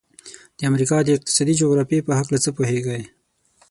د امریکا د اقتصادي جغرافیې په هلکه څه پوهیږئ؟